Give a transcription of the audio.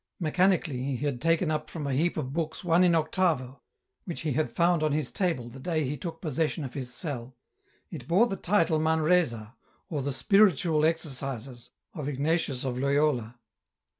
Mechanically he had taken up from a heap of books one in octavo, which he had found on his table the day he took possession of his cell ; it bore the title " Manresa," or the ^' Spiritual Exercises " of Ignatius of Loyola.